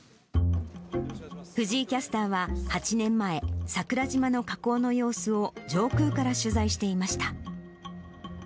藤井キャスターは８年前、桜島の火口の様子を上空から取材していました。